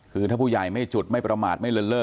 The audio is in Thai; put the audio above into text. คือถ้าผู้ใหญ่ไม่จุดไม่ประมาทไม่เลินเล่อ